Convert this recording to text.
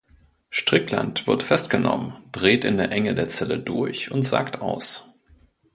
Strickland wird festgenommen, dreht in der Enge der Zelle durch und sagt aus.